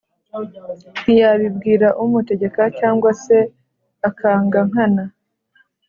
Ntiyabibwira umutegeka cyangwa se akanga nkana